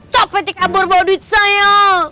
cok petik abor bau duit saya